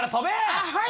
ああはい！